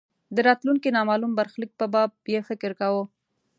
د راتلونکې نامالوم برخلیک په باب یې فکر کاوه.